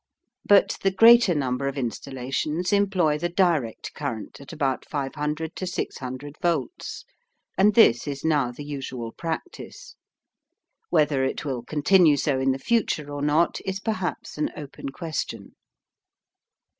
But the greater number of installations employ the direct current at about 500 600 volts and this is now the usual practice. Whether it will continue so in the future or not is perhaps an open question.